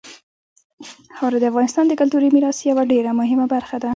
خاوره د افغانستان د کلتوري میراث یوه ډېره مهمه برخه ده.